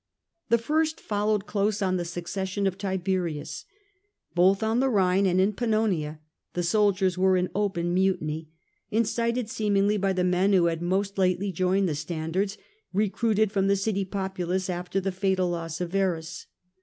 The first followed close on ^J eakd^vn the succession of Tiberius. Both on the of discipline. Rhine and in Pannonia the soldiers were in open mutiny, incited seemingly by the men who had most lately joined the standards, recruited from the city popu lace after the fatal loss of Varus.